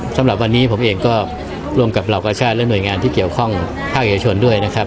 สำหรับวันนี้ผมเองก็ร่วมกับเหล่ากระชาติและหน่วยงานที่เกี่ยวข้องภาคเอกชนด้วยนะครับ